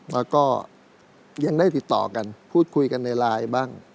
แล้วก็ยังได้ติดต่อกันพูดคุยกันในไลน์บ้าง